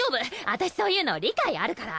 私そういうの理解あるから！